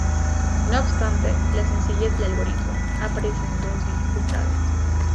No obstante la sencillez del algoritmo, aparecen dos dificultades.